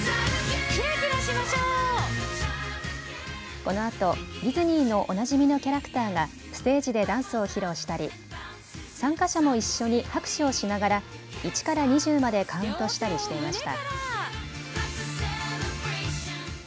このあとディズニーのおなじみのキャラクターがステージでダンスを披露したり参加者も一緒に拍手をしながら１から２０までカウントしたりしていました。